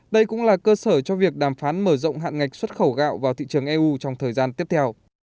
đây cũng là cơ sở cho việc đàm phán mở rộng hạn ngạch xuất khẩu gạo vào thị trường eu trong thời gian tiếp theo